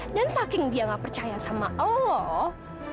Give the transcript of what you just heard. dan saking dia gak percaya sama allah